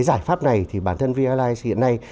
giải pháp này thì bản thân vinalight hiện nay